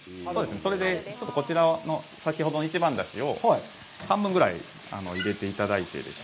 それでちょっとこちらを先ほどの一番だしを半分ぐらい入れていただいてですね。